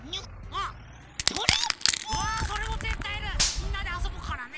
みんなであそぶからね。